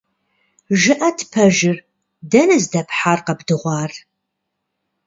ЖыӀэт пэжыр, дэнэ здэпхьар къэбдыгъуар?